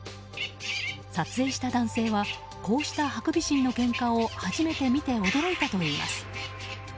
撮影した男性はこうしたハクビシンのけんかを初めて見て驚いたといいます。